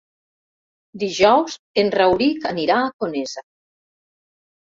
Dijous en Rauric anirà a Conesa.